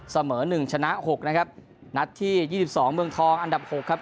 เสมอหนึ่งชนะหกนะครับนัดที่ยี่สิบสองเมืองทองอันดับหกครับ